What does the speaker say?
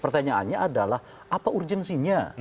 pertanyaannya adalah apa urgensinya